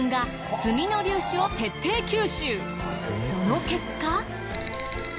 その結果。